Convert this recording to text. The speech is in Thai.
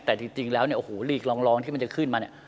แต่จริงแล้วเนี่ยโอ้โหลีกลองที่มันจะขึ้นมาเนี่ย